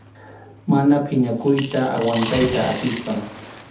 Mana phiñakuyta aguantayta atispam.